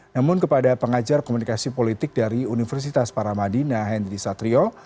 namun kepada pengajar komunikasi politik dari universitas paramadina henry satrio